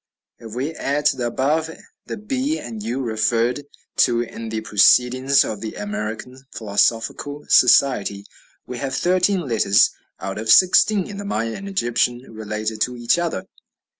If we add to the above the b and u, referred to in the "Proceedings of the American Philosophical Society," we have thirteen letters out of sixteen in the Maya and Egyptian related to each other.